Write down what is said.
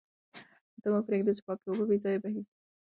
ته مه پرېږده چې پاکې اوبه بې ځایه بهېږي.